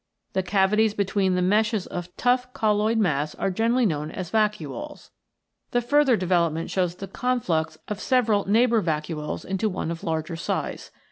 The cavities between the meshes of tough colloid mass are generally known as vacuoles. The further development shows the conflux of several neigh bour vacuoles to one of larger size.